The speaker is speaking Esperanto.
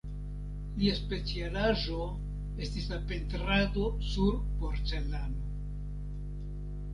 Lia specialaĵo estis la pentrado sur porcelano.